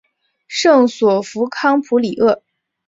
圣索弗康普里厄。